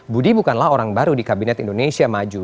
budi bukanlah orang baru di kabinet indonesia maju